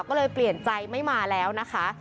ก็เลยเปลี่ยนใจไม่มาแล้วนะคะ